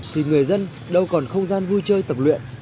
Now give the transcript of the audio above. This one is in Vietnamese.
thì người dân đâu còn không gian vui chơi tập luyện